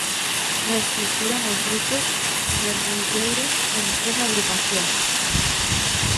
Reestruturan os grupos guerrilleiros en tres Agrupacións.